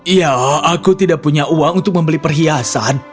ya aku tidak punya uang untuk membeli perhiasan